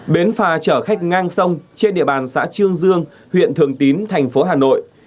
bến phà trở khách ngang sông trên địa bàn xã trương dương huyện thường tín tp hà nội